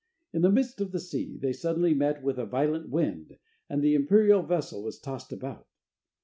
In the midst of the sea, they suddenly met with a violent wind, and the imperial vessel was tossed about.